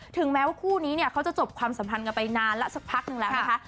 ถึงแม้ว่าคู่นี้เนี่ยเขาจะจบความสัมพันธ์กันไปนานแล้วสักพักนึงแล้วนะคะ